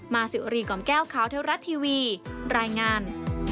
สิวรีกล่อมแก้วข่าวเทวรัฐทีวีรายงาน